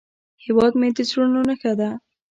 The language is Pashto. هیواد مې د زړونو نخښه ده